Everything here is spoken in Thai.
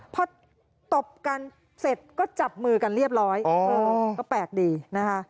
พอตบกันเสร็จก็จับมือกันเรียบร้อยก็แปลกดีนะคะ